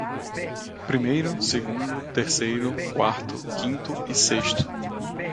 Primeiro, segundo, terceiro, quarto, quinto e sexto